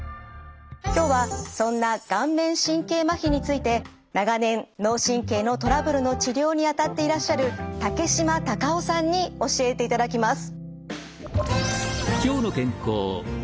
今日はそんな顔面神経まひについて長年脳神経のトラブルの治療にあたっていらっしゃる竹島多賀夫さんに教えていただきます。